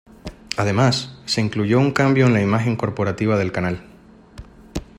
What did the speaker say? Además, se incluyó un cambio en la imagen corporativa del canal.